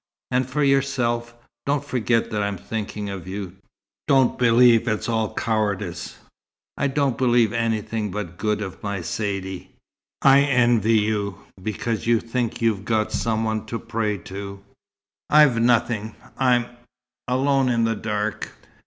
"And for yourself. Don't forget that I'm thinking of you. Don't believe it's all cowardice." "I don't believe anything but good of my Saidee." "I envy you, because you think you've got Someone to pray to. I've nothing. I'm alone in the dark."